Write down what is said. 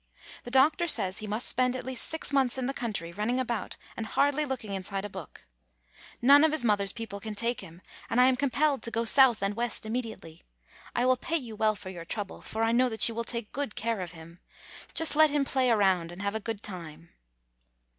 The doc tor says he must spend at least six months in the country, running about, and hardly look ing inside a book. None of his mother's peo [ 100 ] GONE ASTRAY pie can take him, and I am compelled to go South and West immediately. I will pay you well for your trouble, for I know that you will take good care of him. Just let him play around and have a good time.